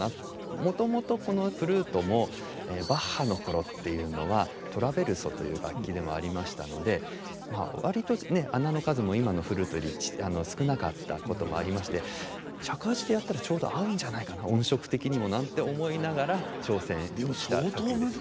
もともとこのフルートもバッハの頃っていうのはトラヴェルソという楽器でもありましたので割と孔の数も今のフルートより少なかったこともありまして尺八でやったらちょうど合うんじゃないかな音色的にもなんて思いながら挑戦した作品です。